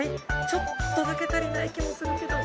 ちょっとだけ足りない気もするけど。